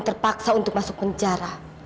terpaksa untuk masuk penjara